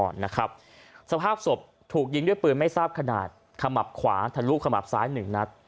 สภาพศพถูกยิงด้วยปืนไม่ทราบขนาดขมับขวาทะลุขมับซ้ายหนึ่งนัด